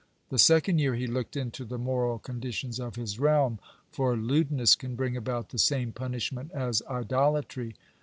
The second year he looked into the moral conditions of his realm, for lewdness can bring about the same punishment as idolatry.